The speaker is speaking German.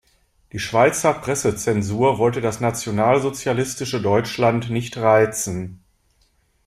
Die Schweizer Pressezensur wollte das nationalsozialistische Deutschland nicht reizen.